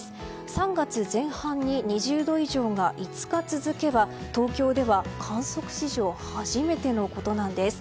３月前半に２０度以上が５日続けば東京では観測史上初めてのことなんです。